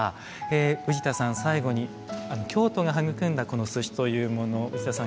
宇治田さん最後に京都が育んだこの寿司というもの宇治田さん